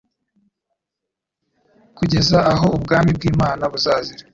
kugeza aho ubwami bw'Imana buzazira.